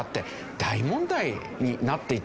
大問題になっていた。